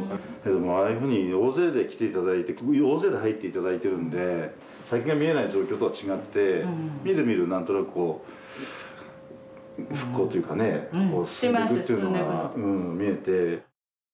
ああいうふうに大勢で来ていただいて大勢で入っていただいてるんで先が見えない状況とは違ってみるみるなんとなくこう復興というかね進んでいくっていうのが見えて。